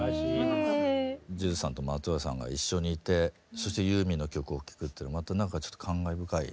ＪＵＪＵさんと松任谷さんが一緒にいてそしてユーミンの曲を聴くっていうのまたなんかちょっと感慨深い。